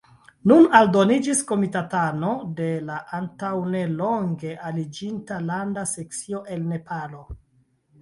Nun aldoniĝis komitatano de la antaŭnelonge aliĝinta Landa Sekcio el Nepalo.